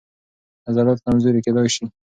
عضلات کمزوري کېدای شي.